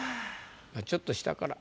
ちょっと下から。